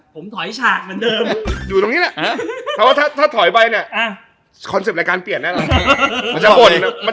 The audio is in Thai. ผมถอยฉากเหมือนเดิม